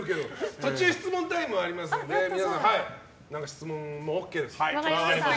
途中質問タイムもありますから質問もＯＫです。